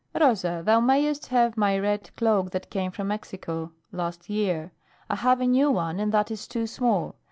Rosa, thou mayest have my red cloak that came from Mexico last year. I have a new one and that is too small.